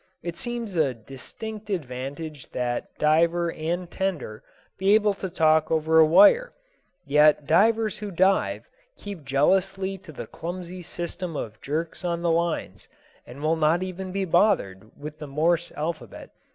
It seems a distinct advantage that diver and tender be able to talk over a wire; yet divers who dive keep jealously to the clumsy system of jerks on the lines, and will not even be bothered with the Morse alphabet.